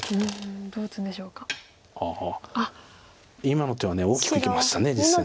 今の手は大きくいきました実戦。